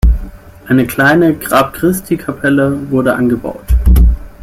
Eine kleine "Grab-Christi-Kapelle" wurde angebaut.